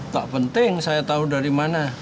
tak penting saya tahu dari mana